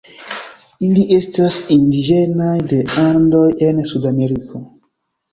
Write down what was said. Ili estas indiĝenaj de Andoj en Sudameriko.